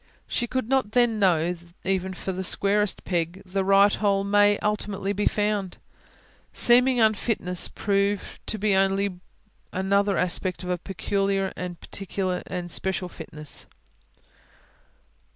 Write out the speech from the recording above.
She could not then know that, even for the squarest peg, the right hole may ultimately be found; seeming unfitness prove to be only another aspect of a peculiar and special fitness.